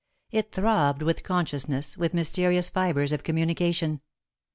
It throbbed with consciousness, with mysterious fibres of communication.